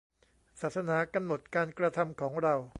ศาสนากำหนดการกระทำของเรา